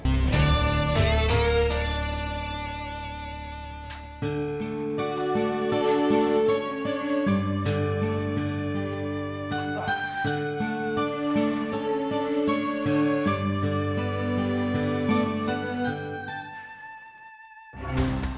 dan kita juga bergabung